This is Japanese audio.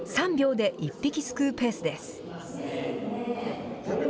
３秒で１匹すくうペースです。